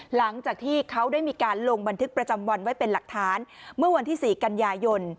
หลังจากที่เขาได้มีการลงบันทึกประจำวันไว้เป็นหลักฐานเมื่อวันที่๔กันยายน